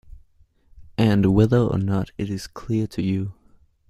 And whether or not it is clear to you